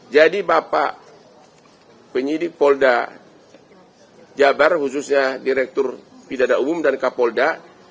jadi bapak penyidik polda jabar khususnya direktur pidadak umum dan kak polda